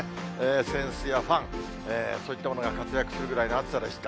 扇子やファン、そういったものが活躍するぐらいの暑さでした。